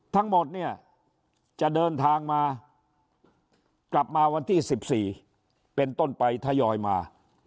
ทั้งหมดเนี่ยจะเดินทางมากลับมาวันที่๑๔เป็นต้นไปทยอยมา